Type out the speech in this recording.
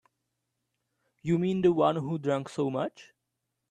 You mean the one who drank so much?